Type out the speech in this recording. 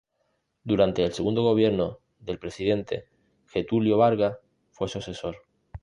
Durante el segundo gobierno del presidente Getúlio Vargas, fue su asesor.